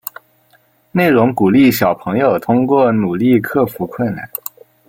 内容鼓励小朋友通过努力克服困难。